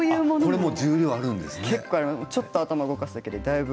これも重量があるんですか。